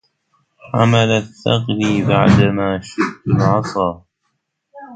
حملت ثقلي بعد ما شبت العصا